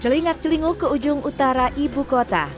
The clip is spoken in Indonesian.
celingak celingu ke ujung utara ibu kota